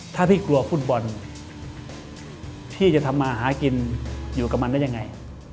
ถ้าพี่กลัวฟุตบอลพี่จะทำมาหากินอยู่กับมันได้ยังไง